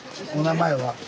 お名前は？